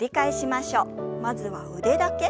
まずは腕だけ。